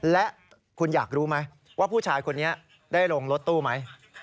และคุณอยากรู้ไหมว่าผู้ชายคนนี้ได้ลงรถตู้ไหม